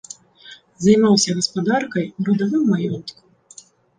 Займаўся гаспадаркай у радавым маёнтку.